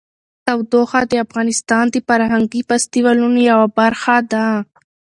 تودوخه د افغانستان د فرهنګي فستیوالونو یوه برخه ده.